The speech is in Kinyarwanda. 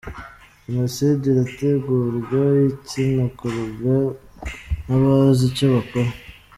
Jenoside irategurwa, ikanakorwa n’abazi icyo bakora.